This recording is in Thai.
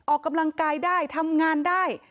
ออกกำลังกายได้ทำงานได้